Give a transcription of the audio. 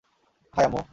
High, আম্মু!